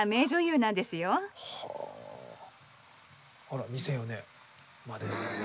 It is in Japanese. あら２００４年まで。